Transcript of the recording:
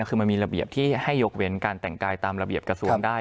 คือมันมีระเบียบที่ให้ยกเว้นการแต่งกายตามระเบียบกระทรวงได้